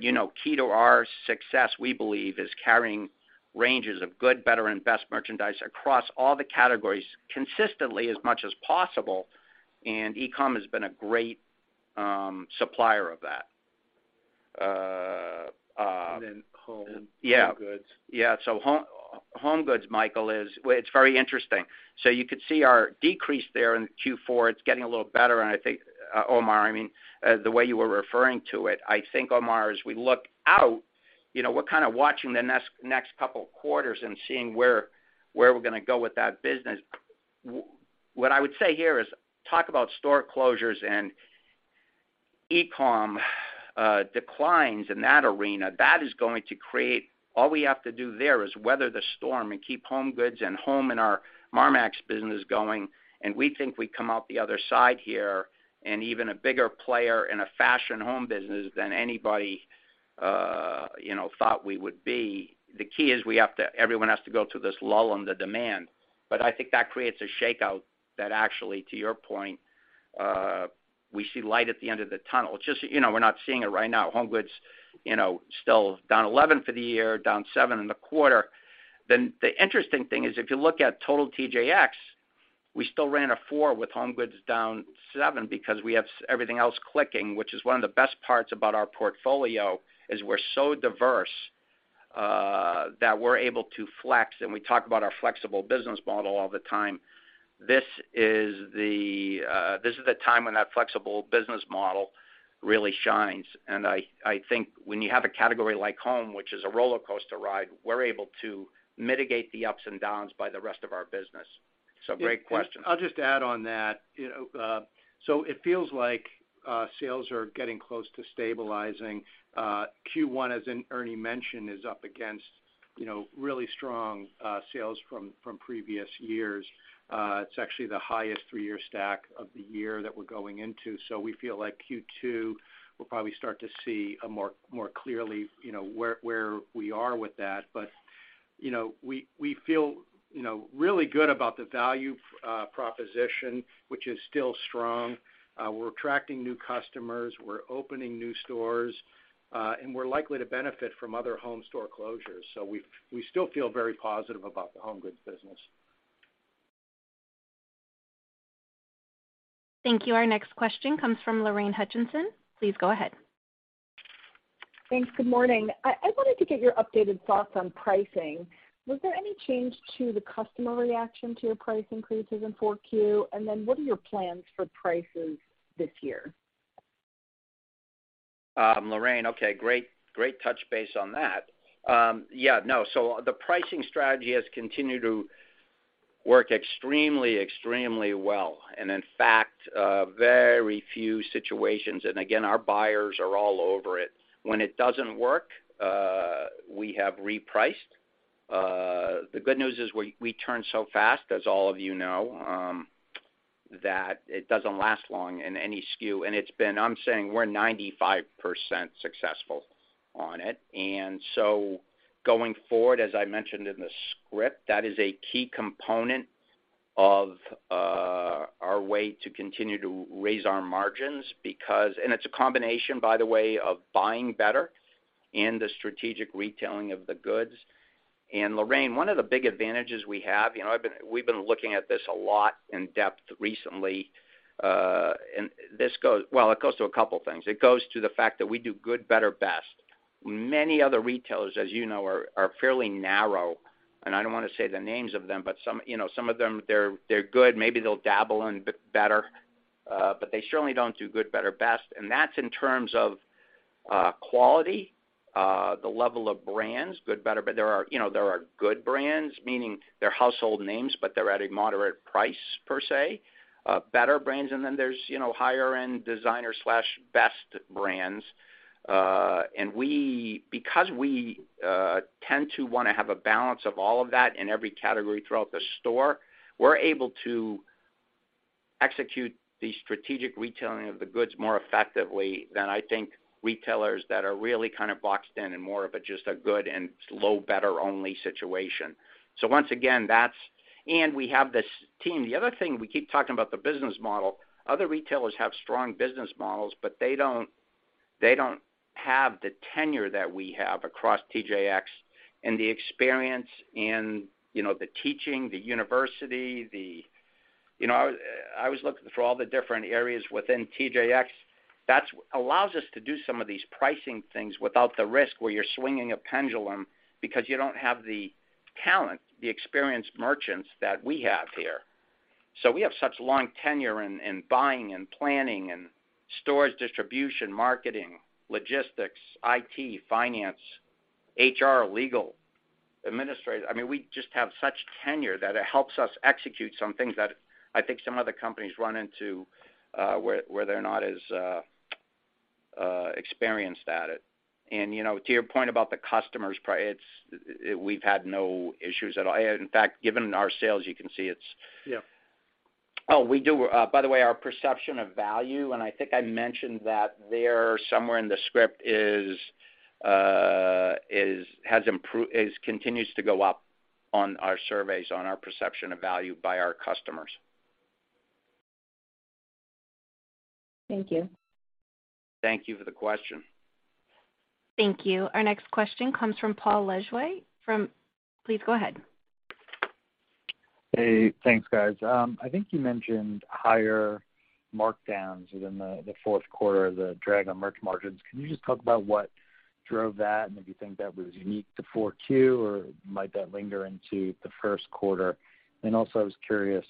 You know, key to our success, we believe, is carrying ranges of good, better and best merchandise across all the categories consistently as much as possible, and e-com has been a great supplier of that. Home and HomeGoods. Yeah. Yeah. HomeGoods, Michael, is. Well, it's very interesting. You could see our decrease there in Q4. It's getting a little better, and I think, Omar, I mean, the way you were referring to it, I think, Omar, as we look out, you know, we're kind of watching the next couple of quarters and seeing where we're gonna go with that business. What I would say here is talk about store closures and e-com declines in that arena. That is going to create. All we have to do there is weather the storm and keep HomeGoods and home and our Marmaxx business going, and we think we come out the other side here, and even a bigger player in a fashion home business than anybody, you know, thought we would be. The key is everyone has to go through this lull in the demand. I think that creates a shakeout that actually, to your point, we see light at the end of the tunnel. It's just, you know, we're not seeing it right now. HomeGoods, you know, still down 11% for the year, down 7% in the quarter. The interesting thing is if you look at total TJX, we still ran a 4% with HomeGoods down 7% because we have everything else clicking, which is one of the best parts about our portfolio, is we're so diverse that we're able to flex. We talk about our flexible business model all the time. This is the time when that flexible business model really shines. I think when you have a category like home, which is a rollercoaster ride, we're able to mitigate the ups and downs by the rest of our business. Great question. I'll just add on that. You know, it feels like sales are getting close to stabilizing. Q1, as Ernie mentioned, is up against, you know, really strong sales from previous years. It's actually the highest three-year stack of the year that we're going into. We feel like Q2 will probably start to see more clearly, you know, where we are with that. You know, we feel, you know, really good about the value proposition, which is still strong. We're attracting new customers, we're opening new stores, and we're likely to benefit from other home store closures. We still feel very positive about the HomeGoods business. Thank you. Our next question comes from Lorraine Hutchinson. Please go ahead. Thanks. Good morning. I wanted to get your updated thoughts on pricing. Was there any change to the customer reaction to your price increases in 4Q? What are your plans for prices this year? Lorraine, okay, great touch base on that. Yeah, no. The pricing strategy has continued to work extremely well. In fact, very few situations, and again, our buyers are all over it. When it doesn't work, we have repriced. The good news is we turn so fast, as all of you know, that it doesn't last long in any SKU, and it's been. I'm saying we're 95% successful on it. Going forward, as I mentioned in the script, that is a key component of our way to continue to raise our margins because it's a combination, by the way, of buying better and the strategic retailing of the goods. Lorraine, one of the big advantages we have, you know, we've been looking at this a lot in depth recently. Well, it goes to a couple things. It goes to the fact that we do good, better, best. Many other retailers, as you know, are fairly narrow, and I don't wanna say the names of them, but some, you know, some of them, they're good. Maybe they'll dabble in bit better, but they surely don't do good, better, best. That's in terms of quality, the level of brands, good, better, there are, you know, there are good brands, meaning they're household names, but they're at a moderate price per se, better brands, and then there's, you know, higher end designer/best brands. Because we tend to wanna have a balance of all of that in every category throughout the store, we're able to execute the strategic retailing of the goods more effectively than I think retailers that are really kind of boxed in more of a, just a good and low, better only situation. Once again, that's. We have this team. The other thing, we keep talking about the business model. Other retailers have strong business models, but they don't have the tenure that we have across TJX and the experience and, you know, the teaching, the university. You know, I was looking for all the different areas within TJX. That's allows us to do some of these pricing things without the risk where you're swinging a pendulum because you don't have the talent, the experienced merchants that we have here. We have such long tenure in buying and planning and stores distribution, marketing, logistics, IT, finance, HR, legal, administrative. I mean, we just have such tenure that it helps us execute some things that I think some other companies run into, where they're not as experienced at it. You know, to your point about the customers, it's, we've had no issues at all. In fact, given our sales, you can see it's. Yeah. We do. By the way, our perception of value, and I think I mentioned that there somewhere in the script, is continues to go up on our surveys on our perception of value by our customers. Thank you. Thank you for the question. Thank you. Our next question comes from Paul Lejuez from, please go ahead. Hey, thanks, guys. I think you mentioned higher markdowns within the fourth quarter, the drag on merch margins. Can you just talk about what drove that and if you think that was unique to 4Q, or might that linger into the first quarter? Also, I was curious,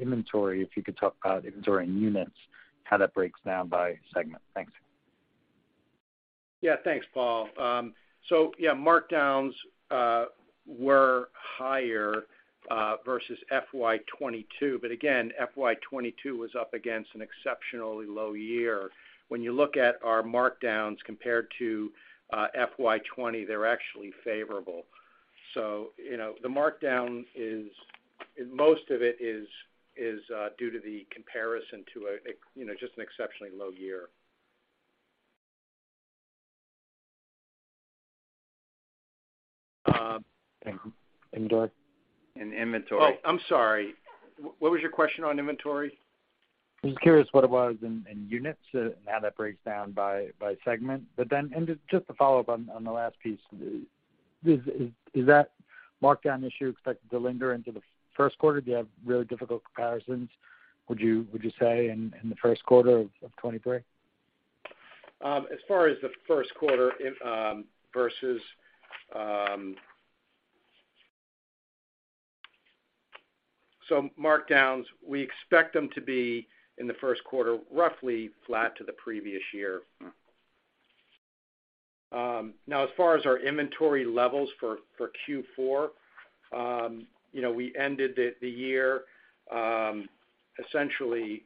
inventory, if you could talk about inventory in units, how that breaks down by segment? Thanks. Yeah. Thanks, Paul. Yeah, markdowns were higher versus FY 2022, again, FY 2022 was up against an exceptionally low year. When you look at our markdowns compared to FY 2020, they're actually favorable. You know, the markdown is. Most of it is due to the comparison to a, you know, just an exceptionally low year. Thank you. Inventory? Inventory. Oh, I'm sorry. What was your question on inventory? I'm just curious what it was in units, and how that breaks down by segment? Just to follow up on the last piece, is that markdown issue expected to linger into the first quarter? Do you have really difficult comparisons, would you say in the first quarter of 2023? As far as the first quarter, markdowns, we expect them to be in the first quarter roughly flat to the previous year. Mm-hmm. Now as far as our inventory levels for Q4, you know, we ended the year, essentially,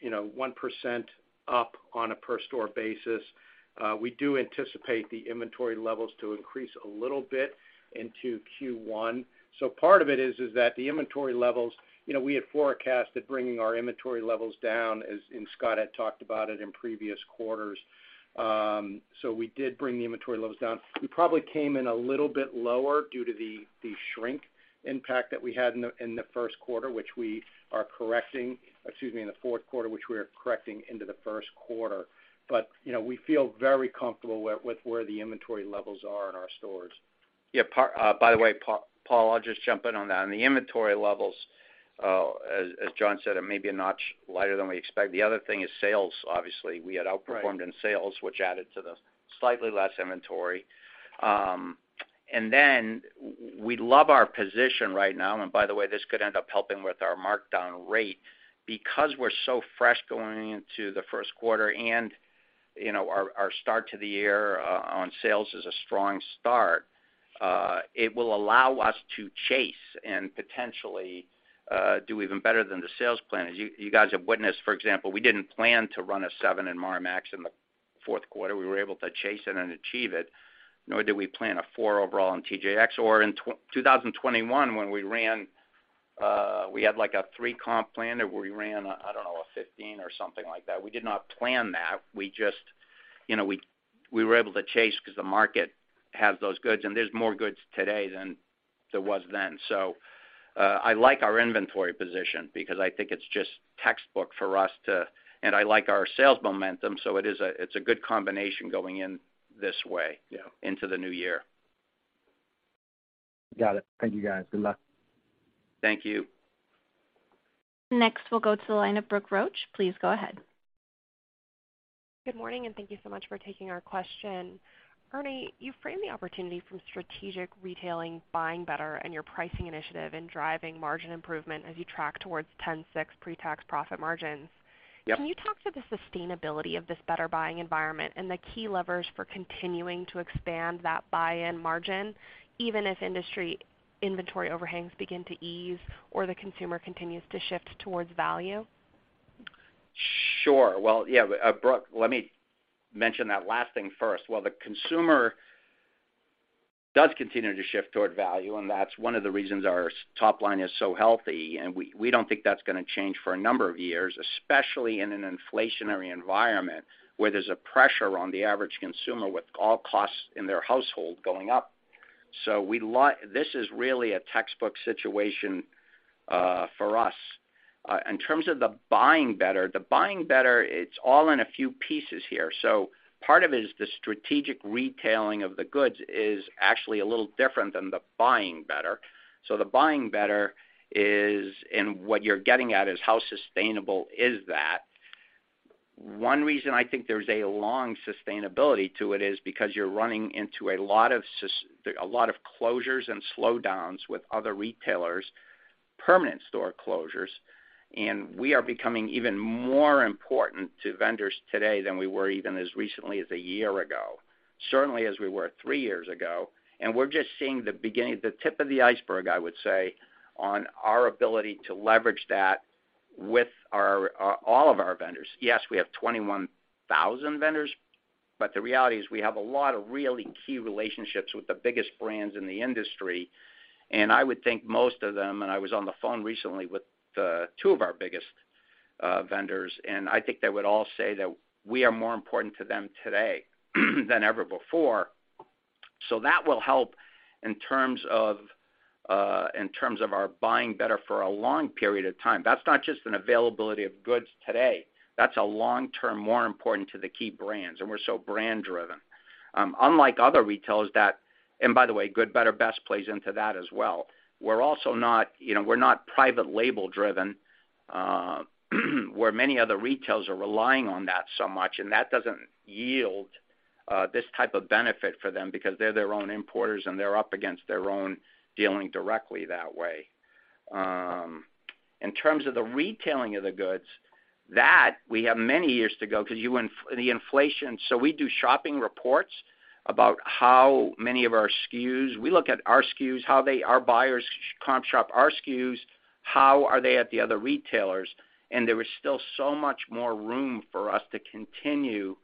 you know, 1% up on a per store basis. We do anticipate the inventory levels to increase a little bit into Q1. Part of it is that the inventory levels, you know, we had forecasted bringing our inventory levels down as Scott had talked about it in previous quarters. We did bring the inventory levels down. We probably came in a little bit lower due to the shrink impact that we had in the first quarter, which we are correcting, excuse me, in the fourth quarter, which we are correcting into the first quarter. You know, we feel very comfortable with where the inventory levels are in our stores. Yeah, by the way, Paul, I'll just jump in on that. On the inventory levels, as John said, it may be a notch lighter than we expect. The other thing is sales, obviously. We had outperformed. Right. In sales, which added to the slightly less inventory. We love our position right now. By the way, this could end up helping with our markdown rate. We're so fresh going into the first quarter and, you know, our start to the year on sales is a strong start, it will allow us to chase and potentially do even better than the sales plan. As you guys have witnessed, for example, we didn't plan to run a 7% in Marmaxx in the fourth quarter. We were able to chase it and achieve it, nor did we plan a 4% overall in TJX. In 2021 when we ran, we had like a 3% comp plan that we ran, I don't know, a 15% or something like that. We did not plan that. We just, you know, we were able to chase because the market has those goods, and there's more goods today than there was then. I like our inventory position because I think it's just textbook for us to. I like our sales momentum, so it's a good combination going in this way. Yeah. Into the new year. Got it. Thank you guys. Good luck. Thank you. Next, we'll go to the line of Brooke Roach. Please go ahead. Good morning, thank you so much for taking our question. Ernie, you framed the opportunity from strategic retailing, buying better, and your pricing initiative in driving margin improvement as you track towards 10.6% pre-tax profit margins. Yep. Can you talk to the sustainability of this better buying environment and the key levers for continuing to expand that buy-in margin, even if industry inventory overhangs begin to ease or the consumer continues to shift towards value? Sure. Yeah, Brooke, let me mention that last thing first. The consumer does continue to shift toward value, and that's one of the reasons our top line is so healthy. We don't think that's gonna change for a number of years, especially in an inflationary environment where there's a pressure on the average consumer with all costs in their household going up. This is really a textbook situation for us. In terms of the buying better, it's all in a few pieces here. Part of it is the strategic retailing of the goods is actually a little different than the buying better. The buying better is, and what you're getting at, is how sustainable is that. One reason I think there's a long sustainability to it is because you're running into a lot of closures and slowdowns with other retailers, permanent store closures, and we are becoming even more important to vendors today than we were even as recently as a year ago, certainly as we were three years ago. We're just seeing the beginning, the tip of the iceberg, I would say, on our ability to leverage that with our all of our vendors. Yes, we have 21,000 vendors, but the reality is we have a lot of really key relationships with the biggest brands in the industry. I would think most of them, and I was on the phone recently with two of our biggest vendors, and I think they would all say that we are more important to them today than ever before. That will help in terms of, in terms of our buying better for a long period of time. That's not just an availability of goods today. That's a long term, more important to the key brands, and we're so brand driven. Unlike other retailers that, by the way, good, better, best plays into that as well. We're also not, you know, we're not private label driven, where many other retailers are relying on that so much, and that doesn't yield this type of benefit for them because they're their own importers, and they're up against their own dealing directly that way. In terms of the retailing of the goods, that we have many years to go because the inflation. We do shopping reports about how many of our SKUs. We look at our SKUs, how our buyers comp shop our SKUs, how are they at the other retailers. There is still so much more room for us to continue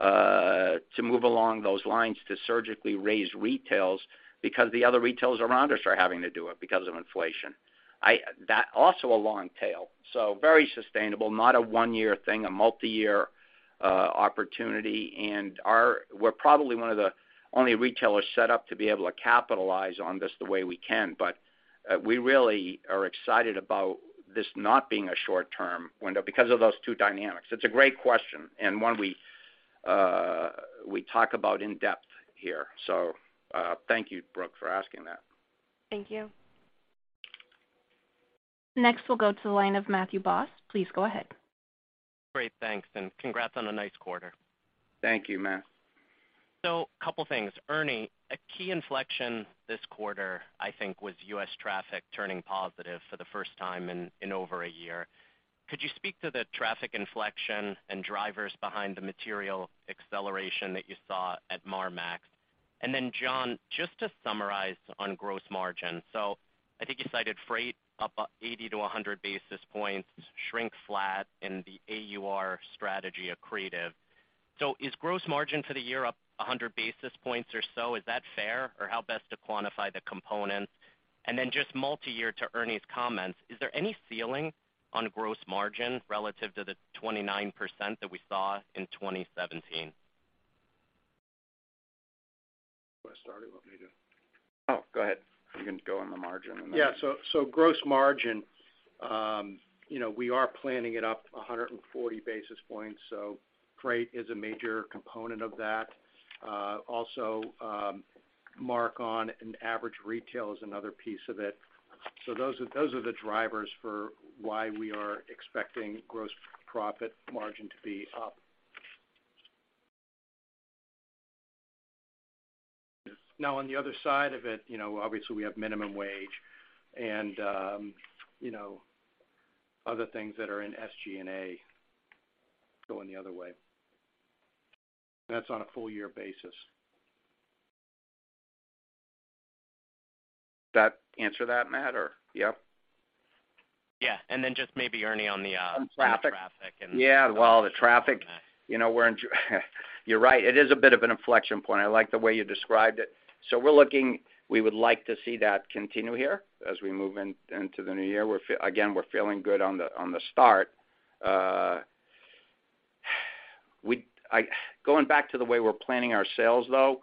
to move along those lines to surgically raise retails because the other retailers around us are having to do it because of inflation. That also a long tail, so very sustainable, not a one-year thing, a multi-year opportunity. We're probably one of the only retailers set up to be able to capitalize on this the way we can. We really are excited about this not being a short-term window because of those two dynamics. It's a great question and one we talk about in depth here. Thank you Brooke for asking that. Thank you. Next, we'll go to the line of Matthew Boss. Please go ahead. Great. Thanks, and congrats on a nice quarter. Thank yo Matt. Couple things Ernie, a key inflection this quarter, I think, was U.S. traffic turning positive for the first time in over a year. Could you speak to the traffic inflection and drivers behind the material acceleration that you saw at Marmaxx? John, just to summarize on gross margin. I think you cited freight up 80-100 basis points, shrink flat in the AUR strategy accretive. Is gross margin for the year up 100 basis points or so? Is that fair, or how best to quantify the components? Just multi-year to Ernie's comments, is there any ceiling on gross margin relative to the 29% that we saw in 2017? You wanna start it? What can I do? Oh, go ahead. You can go on the margin. Yeah. Gross margin, you know, we are planning it up 140 basis points, so freight is a major component of that. Also, mark-on an average retail is another piece of it. Those are the drivers for why we are expecting gross profit margin to be up. Now, on the other side of it, you know, obviously, we have minimum wage and, you know, other things that are in SG&A going the other way. That's on a full year basis. Does that answer that, Matt, or? Yeah? Yeah. Just maybe, Ernie, on the traffic. Yeah. Well, the traffic, you know, you're right. It is a bit of an inflection point. I like the way you described it. We would like to see that continue here as we move into the new year. Again, we're feeling good on the start. Going back to the way we're planning our sales though,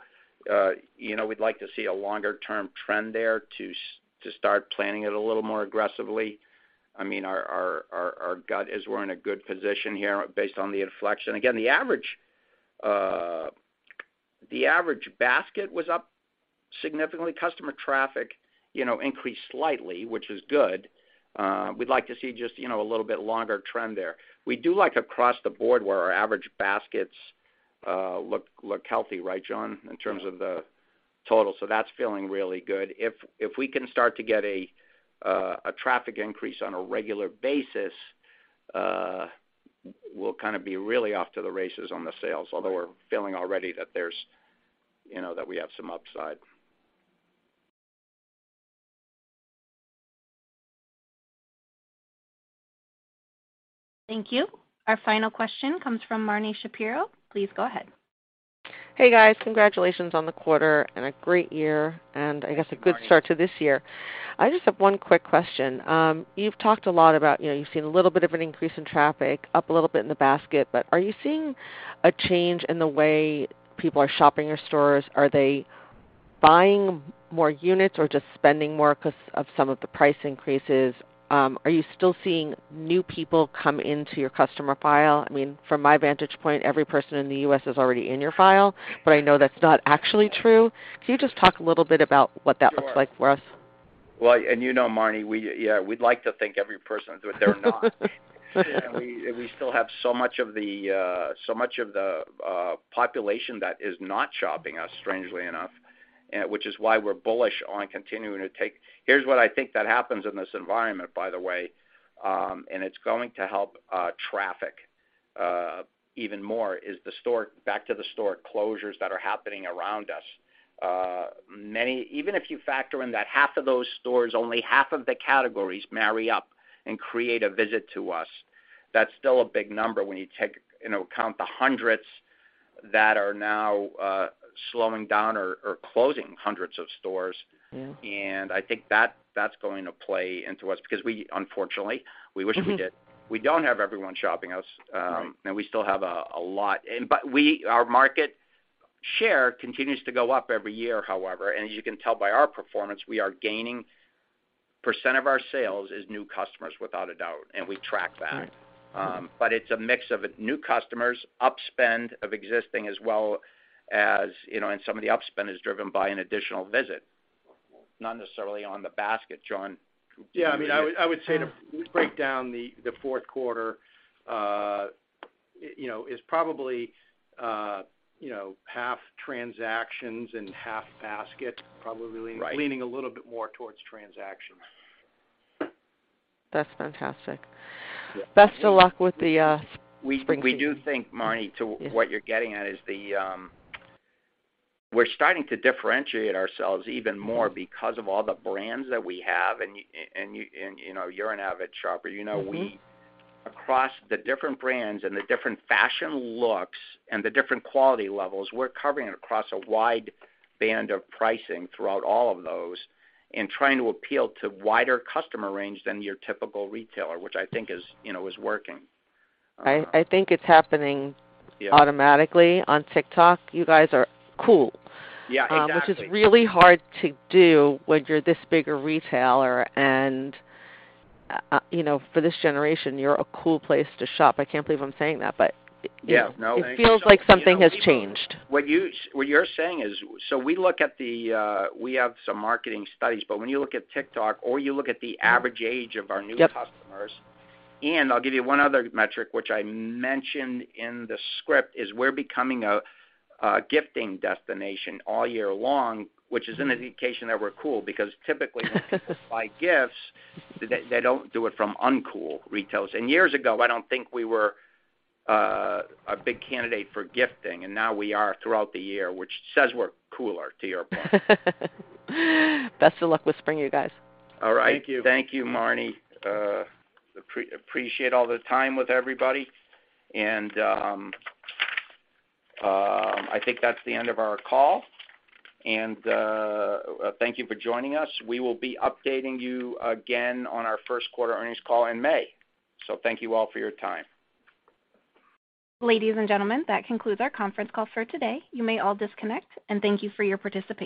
you know, we'd like to see a longer term trend there to start planning it a little more aggressively. I mean, our gut is we're in a good position here based on the inflection. Again, the average basket was up significantly. Customer traffic, you know, increased slightly, which is good. We'd like to see just, you know, a little bit longer trend there. We do like across the board where our average baskets look healthy, right, John? Yeah. In terms of the. Total. That's feeling really good. If we can start to get a traffic increase on a regular basis, we'll kinda be really off to the races on the sales, although we're feeling already that there's, you know, that we have some upside. Thank you. Our final question comes from Marni Shapiro. Please go ahead. Hey, guys. Congratulations on the quarter and a great year. Thank you, Marni. A good start to this year. I just have one quick question. You've talked a lot about, you know, you've seen a little bit of an increase in traffic, up a little bit in the basket, but are you seeing a change in the way people are shopping your stores? Are they buying more units or just spending more 'cause of some of the price increases? Are you still seeing new people come into your customer file? I mean, from my vantage point, every person in the U.S. is already in your file, but I know that's not actually true. Can you just talk a little bit about what that looks like for us? Well, you know, Marni, we, yeah, we'd like to think every person, but they're not. We still have so much of the population that is not shopping us, strangely enough, which is why we're bullish on continuing. Here's what I think that happens in this environment, by the way, it's going to help traffic even more, back to the store closures that are happening around us. Even if you factor in that half of those stores, only half of the categories marry up and create a visit to us, that's still a big number when you take into account the hundreds that are now slowing down or closing hundreds of stores. Mm-hmm. I think that's going to play into us because we unfortunately, we wish we did, we don't have everyone shopping us. We still have a lot. We, our market share continues to go up every year, however, and as you can tell by our performance, we are gaining % of our sales as new customers without a doubt, and we track that. Right. It's a mix of new customers, up-spend of existing as well as, you know, and some of the up-spend is driven by an additional visit, not necessarily on the basket, John, do you agree? Yeah. I mean, I would say to break down the fourth quarter, you know, is probably, you know, half transactions and half basket. Right Leaning a little bit more towards transactions. That's fantastic. Yeah. Best of luck with the spring season. We do think, Marni, to what you're getting at, is the, we're starting to differentiate ourselves even more because of all the brands that we have. You, you know, you're an avid shopper. Mm-hmm Across the different brands and the different fashion looks and the different quality levels, we're covering across a wide band of pricing throughout all of those and trying to appeal to wider customer range than your typical retailer, which I think is, you know, is working. I think it's happening. Yeah. Automatically on TikTok. You guys are cool. Yeah, exactly. Which is really hard to do when you're this big a retailer, and, you know, for this generation, you're a cool place to shop. I can't believe I'm saying that, but, you know. Yeah. No, thanks It feels like something has changed. What you're saying is, we have some marketing studies, when you look at TikTok or you look at the average age of our new customers. Yep. I'll give you one other metric, which I mentioned in the script, is we're becoming a gifting destination all year long, which is an indication that we're cool because when people buy gifts, they don't do it from uncool retailers. Years ago, I don't think we were a big candidate for gifting, and now we are throughout the year, which says we're cooler to your point. Best of luck with spring, you guys. All right. Thank you. Thank you, Marni. appreciate all the time with everybody. I think that's the end of our call. Thank you for joining us. We will be updating you again on our first quarter earnings call in May. Thank you all for your time. Ladies and gentlemen, that concludes our conference call for today. You may all disconnect, and thank you for your participation.